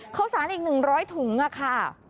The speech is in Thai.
ข้าวสารอีก๑๐๐ถุงค่ะ